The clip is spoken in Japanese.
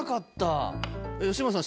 吉村さん